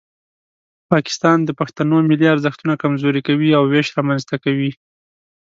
پاکستان د پښتنو ملي ارزښتونه کمزوري کوي او ویش رامنځته کوي.